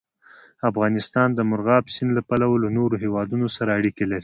افغانستان د مورغاب سیند له پلوه له نورو هېوادونو سره اړیکې لري.